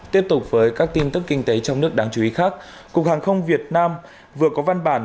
tiếp tục với các tin tức kinh tế trong nước đáng chú ý khác cục hàng không việt nam vừa có văn bản